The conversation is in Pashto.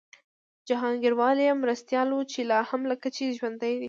جهانګیروال یې مرستیال و چي لا هم لکه چي ژوندی دی